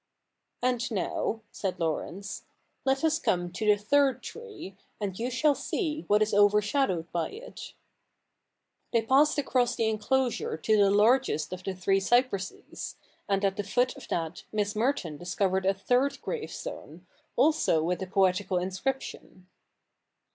And now,' said Laurence, ' let us come to the third tree, and you shall see what is overshadowed by it.' They passed across the enclosure to the largest of the three cypresses, and at the foot of that Miss Merton dis covered a third gravestone, also with a poetical inscrip tion.